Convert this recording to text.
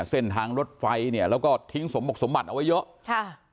เส้นทางรถไฟเนี่ยแล้วก็ทิ้งสมบกสมบัติเอาไว้เยอะค่ะ